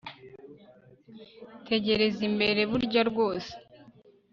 tegereza imbere burya rwose